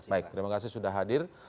baik terima kasih sudah hadir